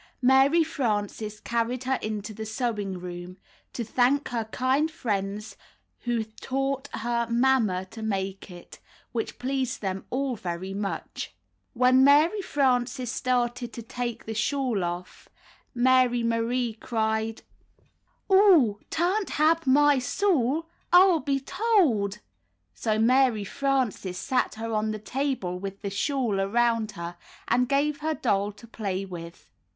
Mary Frances carried her into the sewing room, 'Ho thank her kind friends who taught her mamma to make it," which pleased them all very much. When Mary Frances started to take the shawl off, Mary Marie cried, " 'Oo tan't hab my s'awl; I'll be told," so Mary Frances sat her on the table with the shawl around her, and gave her her doll to play with.